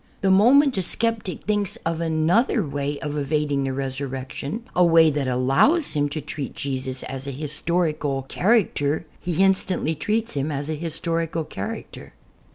The moment a sceptic thinks of another way of evadmg the Resurrection — a way that allows him to" treat Jesus as a historical character — he instantly treats him as a historical character.